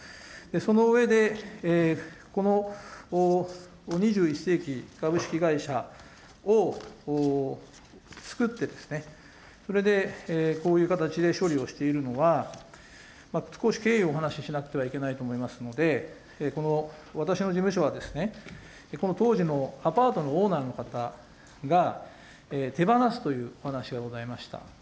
その上で、この２１世紀株式会社をつくって、これでこういう形で処理をしているのは、少し経緯をお話しなくてはいけないと思いますので、この私の事務所は、この当時のアパートのオーナーの方が、手放すというお話がございました。